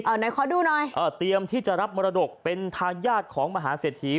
ไหนขอดูหน่อยอ่าเตรียมที่จะรับมรดกเป็นทายาทของมหาเศรษฐี